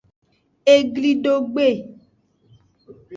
Eglidogbe.